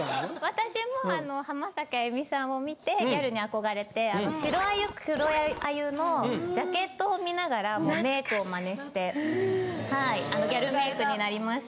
私も浜崎あゆみさんを見てギャルに憧れて白あゆ黒あゆのジャケットを見ながらメイクをマネしてはいギャルメイクになりました。